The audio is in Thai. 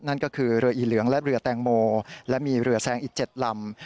นั่นก็คือเรืออีเหลืองและเรือแตงโมและมีเรือแซงอีก๗ลำ